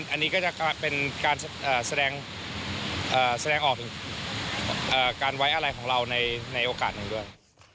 อันนี้ก็จะเป็นการแสดงออกถึงการไว้อะไรของเราในโอกาสหนึ่งด้วย